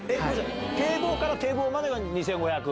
堤防から堤防までが２５００？